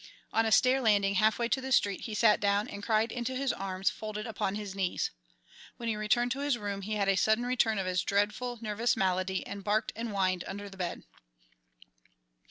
On a stair landing half way to the street he sat down and cried into his arms folded upon his knees. When he returned to his room he had a sudden return of his dreadful nervous malady and barked and whined under the bed.